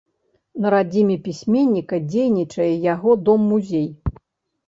На радзіме пісьменніка дзейнічае яго дом-музей.